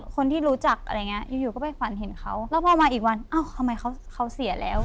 คนที่รู้จักอะไรอย่างเงี้ยอยู่ก็ไปฝันเห็นเขาแล้วพอมาอีกวันเอ้าทำไมเขาเสียแล้ว